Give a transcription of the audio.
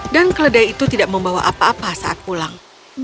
dan keledai itu tidak membawa apa apa saat pulang